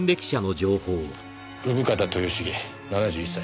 生方豊茂７１歳。